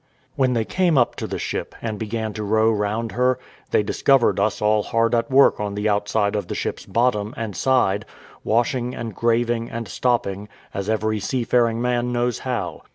When they came up to the ship, and began to row round her, they discovered us all hard at work on the outside of the ship's bottom and side, washing, and graving, and stopping, as every seafaring man knows how.